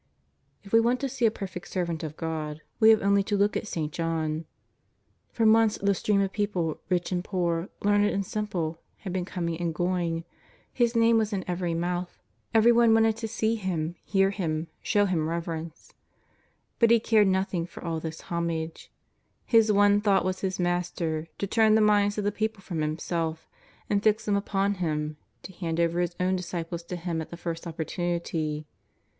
If we want to see a perfect servant of God, we have 130 JESUS OF NAZARETH. 131 only to look at St. John. For months the stream of people, rich and poor, learned and simple, had been com ing and going; his name was in every mouth, everyone wanted to see him, hear him, show him reverence. But he cared nothing for all this homage. His one thought was his Master, to turn the minds of the people from himself and fix them upon Him, to hand over his own disciples to Him at the first opportunity.